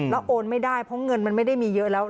แล้วโอนไม่ได้เพราะเงินมันไม่ได้มีเยอะแล้ว